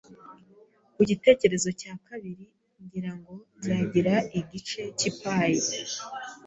Ku gitekerezo cya kabiri, ngira ngo nzagira igice cyi pie.